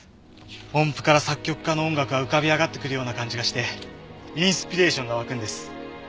音符から作曲家の音楽が浮かび上がってくるような感じがしてインスピレーションが湧くんです。